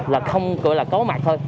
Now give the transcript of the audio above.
là không gọi là có mặt thôi